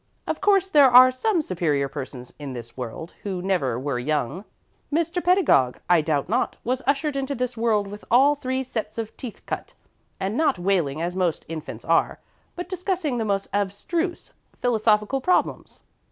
Of course there are some superior persons in this world who never were young. Mr. Pedagog, I doubt not, was ushered into this world with all three sets of teeth cut, and not wailing as most infants are, but discussing the most abstruse philosophical problems.